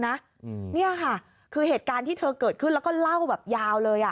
นี่ค่ะคือเหตุการณ์ที่เธอเกิดขึ้นแล้วก็เล่าแบบยาวเลย